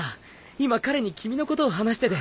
今彼に君のことを話してて。